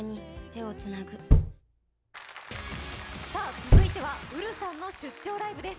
続いてはＵｒｕさんの「出張ライブ！」です。